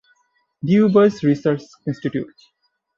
Du Bois Research Institute.